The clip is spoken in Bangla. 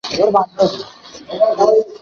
কিন্তু চুক্তি তো তিনজনের ছিলো না।